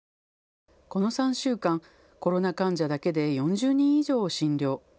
この３週間、コロナ患者だけで４０人以上を診療。